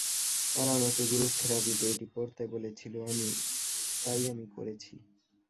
তারা আমাকে গ্রুপ থেরাপিতে এটি পড়তে বলেছিল, তাই আমি করেছি।